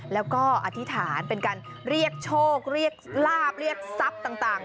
แล้วก็อธิษฐานเป็นการเรียกโชคเรียกลาบเรียกทรัพย์ต่าง